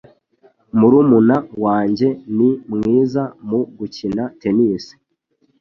Murumuna wanjye ni mwiza mu gukina tennis.